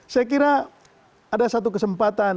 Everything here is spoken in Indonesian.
saya kira ada satu kesempatan